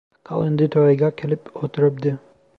Kal endi to‘yiga kelib o‘tiribdi!